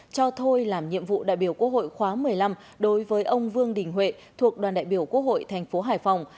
cho thôi làm nhiệm vụ đại biểu quốc hội khóa một mươi năm đối với ông vương đình huệ thuộc đoàn đại biểu quốc hội thành phố hải phòng